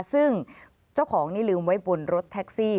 ซึ่งเจ้าของนี่ลืมไว้บนรถแท็กซี่